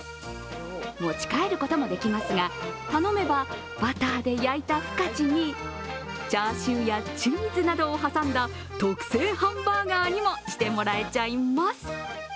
持ち帰ることもできますが、頼めば、バターで焼いたふかちにチャーシューやチーズなどを挟んだ特製ハンバーガーにもしてもらえちゃいます。